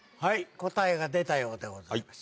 答えが出たようでございます。